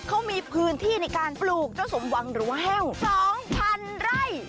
เขามีพื้นที่ในการปลูกเจ้าสมหวังหรือว่าแห้ว๒๐๐๐ไร่